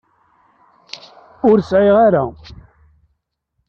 Ur sεiɣ ara.